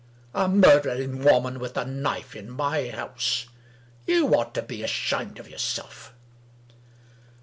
A murdering woman with a knife in my house I You ought to be ashamed of yourself